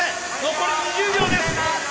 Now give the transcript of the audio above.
残り２０秒です！